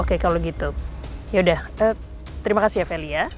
oke kalau gitu yaudah terima kasih ya feli ya